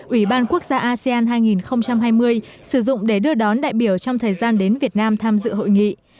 ủy ban quốc gia asean hai nghìn hai mươi sử dụng để đưa đón đại biểu trong thời gian đến việt nam tham dự hội nghị